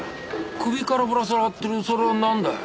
首からぶら下がってるそれは何だい？